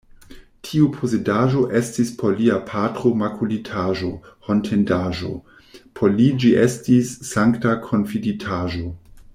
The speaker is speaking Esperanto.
Tiu posedaĵo estis por lia patro makulitaĵo, hontindaĵo; por li ĝi estis sankta konfiditaĵo.